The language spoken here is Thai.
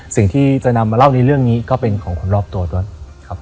สิ่งที่จะนำมาเล่าในเรื่องนี้ก็เป็นของคนรอบตัวด้วยครับ